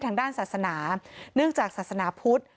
ทางด้านศาสนาเนื่องจากศาสนาพุทธ